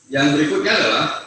yang berikutnya adalah